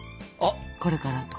これから」とか。